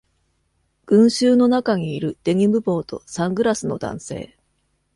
群衆の中にいるデニム帽とサングラスの男性。